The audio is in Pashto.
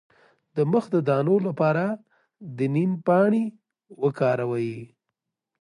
د مخ د دانو لپاره د نیم پاڼې وکاروئ